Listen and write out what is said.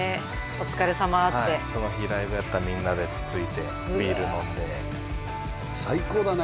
お疲れさまってその日ライブやったみんなでつついてビール飲んで最高だね